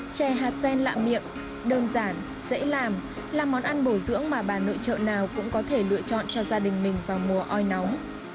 chè hạt sen lạ miệng đơn giản dễ làm là món ăn bổ dưỡng mà bà nội trợ nào cũng có thể lựa chọn cho gia đình mình vào mùa oi nóng